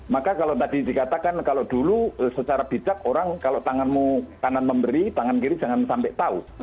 maka kalau tadi dikatakan kalau dulu secara bijak orang kalau tanganmu kanan memberi tangan kiri jangan sampai tahu